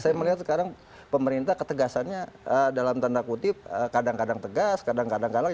saya melihat sekarang pemerintah ketegasannya dalam tanda kutip kadang kadang tegas kadang kadang